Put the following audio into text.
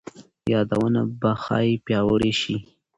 یادونه به ښايي پیاوړي شي.